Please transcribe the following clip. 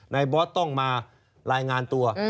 บอสต้องมารายงานตัว